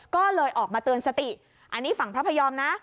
ก็เลยออกมาเตือนสติอันนี้ฝั่งพระพยอมนะ